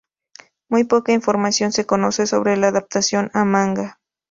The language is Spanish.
Muy poca información se conoce sobre la adaptación a manga.